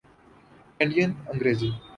Canadian Angrezi